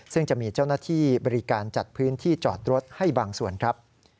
ซึ่งจะมีเจ้าหน้าที่บริการจัดพื้นที่จอดรถให้บางส่วนครับ